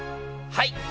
はい！